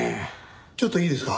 ちょっといいですか？